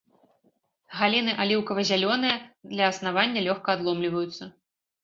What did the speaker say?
Галіны аліўкава-зялёныя, ля аснавання лёгка адломліваюцца.